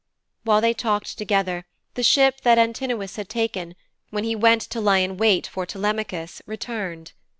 While they talked together the ship that Antinous had taken, when he went to lie in wait for Telemachus, returned.